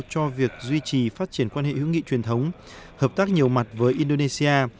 cho việc duy trì phát triển quan hệ hữu nghị truyền thống hợp tác nhiều mặt với indonesia